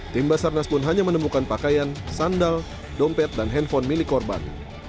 tim basarnas pun hanya menemukan pakaian sandal dompet dan handphone milik korban